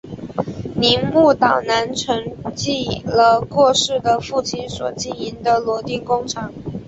铃木岛男承继了过世的父亲所经营的螺钉工厂。